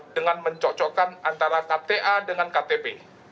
dengan mencocokkan antara kta dengan ktp